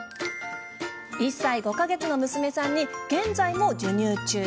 １歳５か月の娘さんに現在も授乳中。